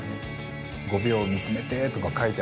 「５秒見つめて」とか書いてある。